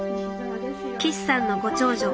岸さんのご長女